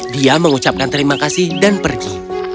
dia mengucapkan terima kasih dan pergi